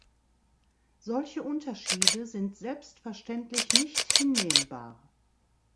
Solche Unterschiede sind selbstverständlich nicht hinnehmbar.